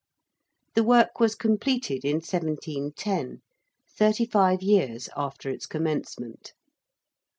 The work was completed in 1710, thirty five years after its commencement.